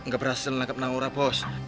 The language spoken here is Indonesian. gak berhasil menangkap naura bos